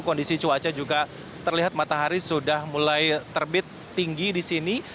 kondisi cuaca juga terlihat matahari sudah mulai terbit tinggi di sini